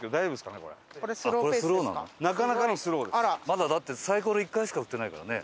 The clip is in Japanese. まだだってサイコロ１回しか振ってないからね。